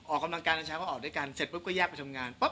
ออกกำลังการกันเช้าก็ออกด้วยกัน